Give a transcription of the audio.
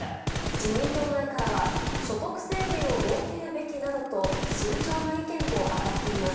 自民党内からは、所得制限を設けるべきなどと、慎重な意見も上がっています。